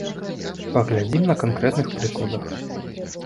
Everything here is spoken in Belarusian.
Паглядзім на канкрэтных прыкладах.